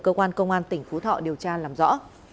cơ quan công an tỉnh phú thọ điều tra làm rõ